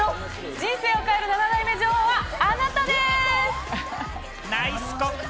人生を変える７代目女王はあなたです！